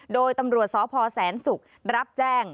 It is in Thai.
โดยตำรวจสพแสนศุกร์รับแจ้ง